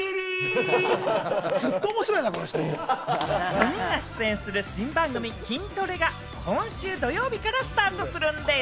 ４人が出演する新番組『キントレ』が、今週土曜日からスタートするんでぃす。